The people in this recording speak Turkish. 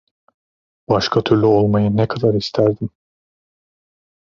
Başka türlü olmayı ne kadar isterdim.